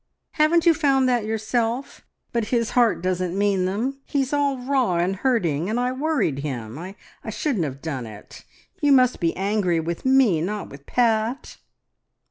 Haven't you found that yourself? But his heart doesn't mean them. He's all raw and hurting, and I worried him. ... I shouldn't have done it! You must be angry with me, not with Pat."